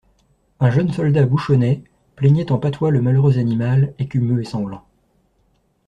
Un jeune soldat bouchonnait, plaignait en patois le malheureux animal, écumeux et sanglant.